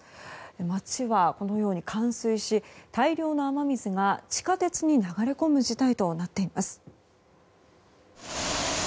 街は冠水し大量の雨水が地下鉄に流れ込む事態となっています。